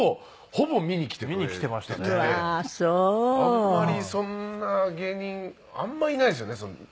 あんまりそんな芸人あんまりいないですよね